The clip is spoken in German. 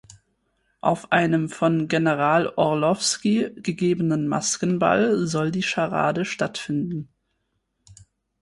Auf einem vom General Orlowsky gegebenen Maskenball soll die Charade stattfinden.